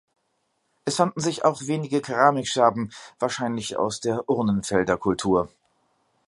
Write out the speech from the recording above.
Es fanden sich auch wenige Keramikscherben, wahrscheinlich aus der Urnenfelderkultur.